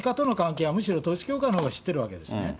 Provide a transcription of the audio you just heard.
政治家との関係は、むしろ、統一教会のほうが知ってるわけですね。